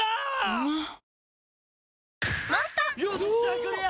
うまっ！！